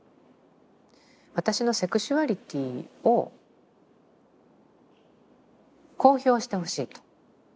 私のセクシュアリティを公表してほしいと。